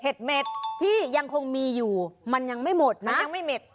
เห็ดที่ยังคงมีอยู่มันยังไม่หมดมันยังไม่หมด